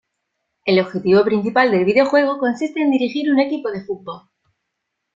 El objetivo principal del videojuego consiste en dirigir un equipo de fútbol.